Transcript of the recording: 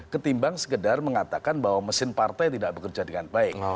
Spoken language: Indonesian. ketimbang sekedar mengatakan bahwa mesin partai tidak bekerja dengan baik